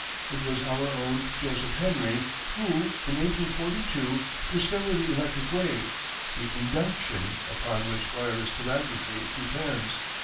It was our own Joseph Henry who, in 1842, discovered the electric wave the "induction" upon which wireless telegraphy depends.